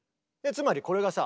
つまりこれがさ